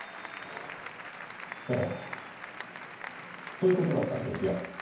ええそういう事だったんですよ。